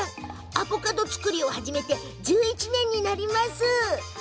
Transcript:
アボカド作りを始めて１１年になります。